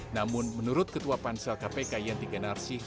namun menurut ketua pansel kpk yanti ganarsih